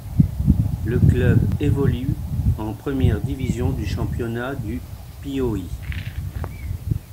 Le club évolue en première division du championnat du Piauí.